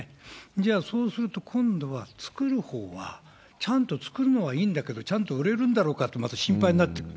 じゃあ、そうすると今度は、作るほうは、ちゃんと作るのはいいんだけど、ちゃんと売れるんだろうかと、また心配になってくる。